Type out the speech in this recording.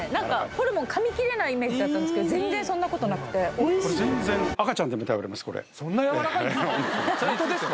ホルモン噛みきれないイメージだったんですけど全然そんなことなくておいしいこれ全然そんなやわらかいんですか？